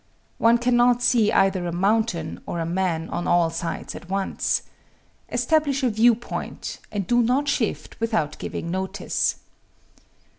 One cannot see either a mountain or a man on all sides at once. Establish a view point, and do not shift without giving notice.